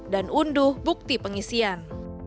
dan unduh bukti pengisian